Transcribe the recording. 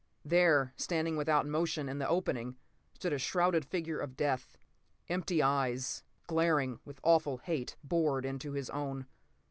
There, standing without motion in the opening, stood a shrouded figure of death. Empty eyes, glaring with awful hate, bored into his own.